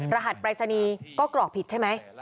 รหัสปรายศนีย์ก็กรอกผิดใช่ไหม